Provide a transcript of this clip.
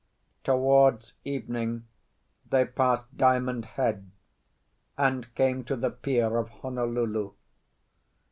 Towards evening they passed Diamond Head, and came to the pier of Honolulu.